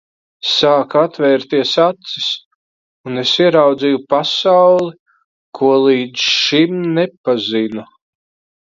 Sāka atvērties acis, un es ieraudzīju pasauli, ko līdz šim nepazinu.